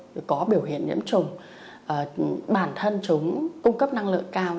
thực hiện nhiễm chủng bản thân chúng cung cấp năng lượng cao